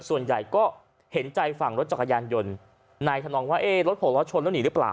ส่วนใหญ่ก็เห็นใจฝั่งรถจักรยานยนต์นายธนองว่าเอ๊ะรถหกล้อชนแล้วหนีหรือเปล่า